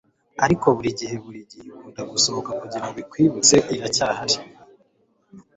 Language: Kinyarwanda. ariko burigihe burigihe ikunda gusohoka kugirango ikwibutse iracyahari